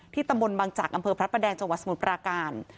ตำบลบังจักรอำเภอพระประแดงจังหวัดสมุทรปราการ